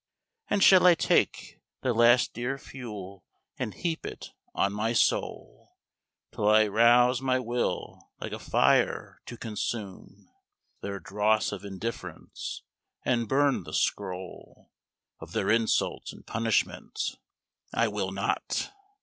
And shall I take The last dear fuel and heap it on my soul Till I rouse my will like a fire to consume Their dross of indifference, and burn the scroll Of their insults in punishment? I will not!